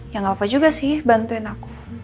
ya gak apa apa juga sih bantuin aku